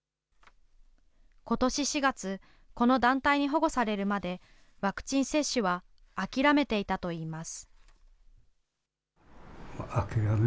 ことし４月、この団体に保護されるまで、ワクチン接種は諦めていたといいます。